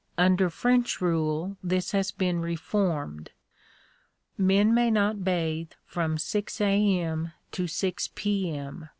Under French rule this has been reformed. Men may not bathe from 6 A.M. to 6 P.M.